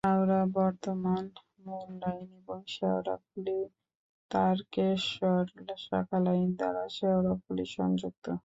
হাওড়া-বর্ধমান মূল লাইন এবং শেওড়াফুলি-তারকেশ্বর শাখা লাইন দ্বারা শেওড়াফুলি সংযুক্ত।